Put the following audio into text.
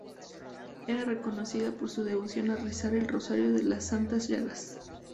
Era conocida por su devoción a rezar el Rosario de las Santas Llagas.